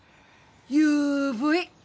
「ＵＶ」